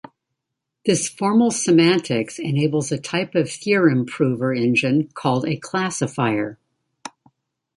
This formal semantics enables a type of theorem prover engine called a classifier.